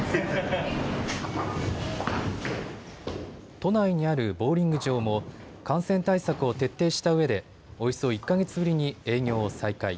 都内にあるボウリング場も感染対策を徹底したうえでおよそ１か月ぶりに営業を再開。